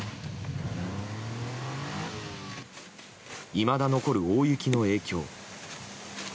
いまだ残る大雪の影響。